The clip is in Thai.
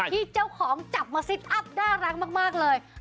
ที่เจ้าของจับมาซิตอัพน่ารักมากเลย